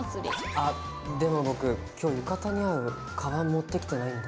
あっでも僕今日浴衣に合うカバン持ってきてないんだ。